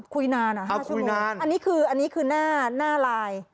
คุยนานอ่ะ๕ชั่วโมงอันนี้คือหน้าไลน์